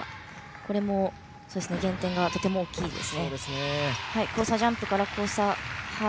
これも減点がとても大きいです。